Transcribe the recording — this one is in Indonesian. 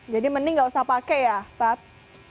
jadi mending gak usah pakai ya ustadz